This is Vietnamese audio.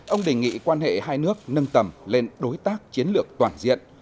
ông đề nghị quan hệ hai nước nâng tầm lên đối tác chiến lược toàn diện